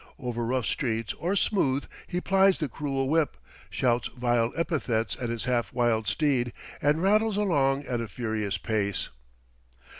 Over rough streets or smooth he plies the cruel whip, shouts vile epithets at his half wild steed, and rattles along at a furious pace.